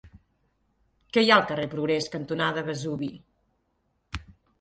Què hi ha al carrer Progrés cantonada Vesuvi?